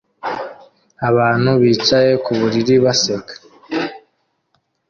Abantu bicaye ku buriri baseka